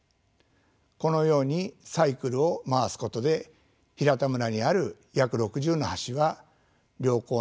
このようにサイクルを回すことで平田村にある約６０の橋は良好な状態に保たれています。